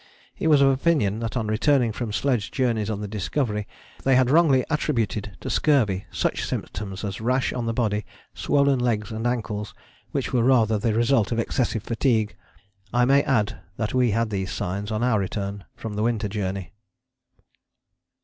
He was of opinion that on returning from sledge journeys on the Discovery they had wrongly attributed to scurvy such symptoms as rash on the body, swollen legs and ankles, which were rather the result of excessive fatigue. I may add that we had these signs on our return from the Winter Journey.